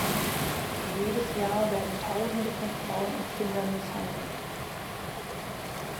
Jedes Jahr werden tausende von Frauen und Kindern misshandelt.